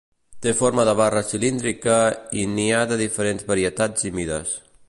Té forma de barra cilíndrica i n'hi ha de diferents varietats i mides.